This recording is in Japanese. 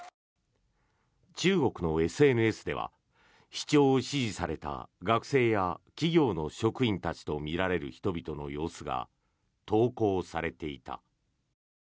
中国のＳＮＳでは視聴を指示された学生や企業の職員とみられる人たちの様子が投稿されていた。